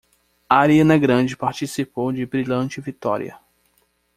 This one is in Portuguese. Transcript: Ariana Grande participou de Brilhante Victória.